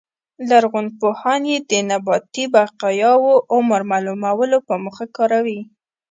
لرغونپوهان یې د نباتي بقایاوو عمر معلومولو په موخه کاروي